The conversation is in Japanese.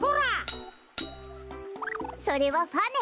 それはファね。